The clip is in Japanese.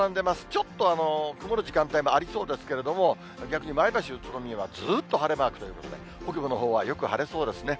ちょっと曇る時間帯もありそうですけれども、逆に前橋、宇都宮はずっと晴れマークということで、北部のほうはよく晴れそうですね。